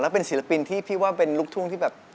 เป็นศิลปินที่พี่ว่าเป็นลูกทุ่งที่แบบ